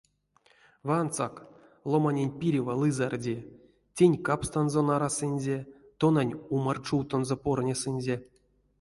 Вансак, ломанень пирева лызарди: тень капстанзо нарасынзе, тонань умарь чувтонзо порнесынзе.